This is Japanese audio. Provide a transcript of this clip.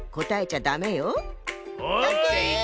オッケー！